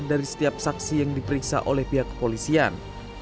dari setiap saksi yang diperiksa oleh pihak kepolisian